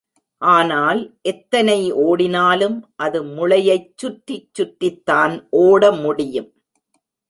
ஆனால் எத்தனை ஓடினாலும் அது முளையைச் சுற்றி சுற்றித்தான் ஓட முடியும்.